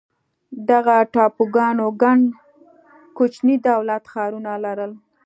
دغه ټاپوګانو ګڼ کوچني دولت ښارونه لرل.